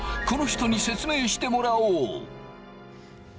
この人に説明してもらおう。